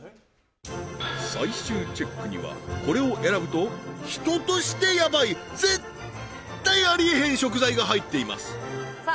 最終チェックにはこれを選ぶと人としてやばい絶対ありえへん食材が入っていますさあ